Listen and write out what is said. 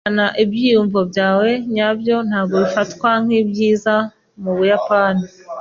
Kwerekana ibyiyumvo byawe nyabyo ntabwo bifatwa nkibyiza mubuyapani.